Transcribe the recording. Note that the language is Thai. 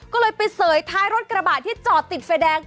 ก็เลยไปเสยท้ายรถกระบาดที่จอดติดไฟแดง